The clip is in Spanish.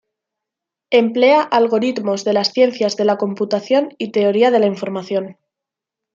Emplea algoritmos de las ciencias de la computación y teoría de la información.